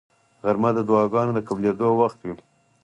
غرمه د دعاګانو د قبلېدو وخت وي